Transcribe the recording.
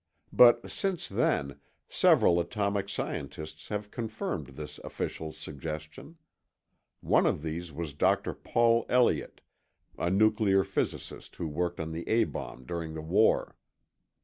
But since then, several atomic scientists have confirmed this official's suggestion. One of these was Dr. Paul Elliott, a nuclear physicist who worked on the A bomb during the war.